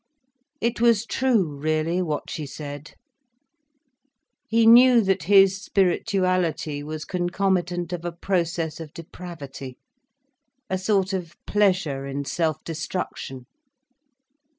It was true, really, what she said. He knew that his spirituality was concomitant of a process of depravity, a sort of pleasure in self destruction.